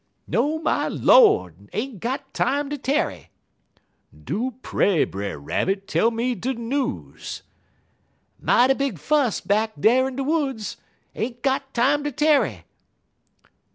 "'No, my Lord! Ain't got time ter tarry!' "'Do pray, Brer Rabbit, tell me de news!' "'Mighty big fuss back dar in de woods. Ain't got time ter tarry!'